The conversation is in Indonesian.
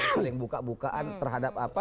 saling buka bukaan terhadap apa